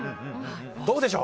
どうでしょう。